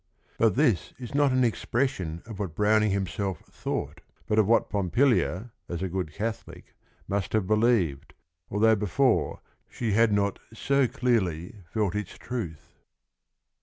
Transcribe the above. But this is not an expression of what Browning himself thought, but of what Pompilia as a good Catholic must have believed, although before she had not so clearly felt its truth.